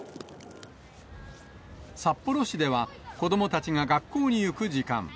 札幌市では、子どもたちが学校に行く時間。